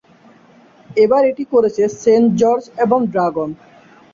এবার এটি করেছে সেন্ট জর্জ এবং ড্রাগন।